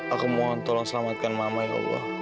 aku mohon tolong selamatkan mama ya allah